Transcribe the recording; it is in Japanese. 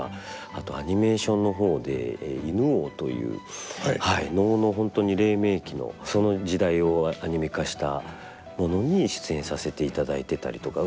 あとアニメーションの方で「犬王」という能の本当に黎明期のその時代をアニメ化したものに出演させていただいてたりとか。